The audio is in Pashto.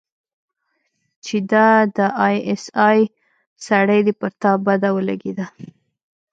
چې دا د آى اس آى سړى دى پر تا بده ولګېده.